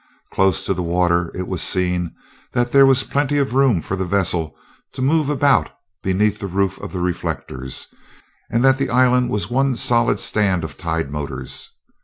Close to the water, it was seen that there was plenty of room for the vessel to move about beneath the roof of reflectors, and that the island was one solid stand of tide motors.